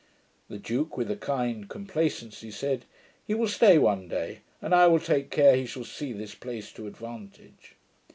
The duke, with a kind complacency, said, 'He will stay one day; and I will take care he shall see this place to advantage.'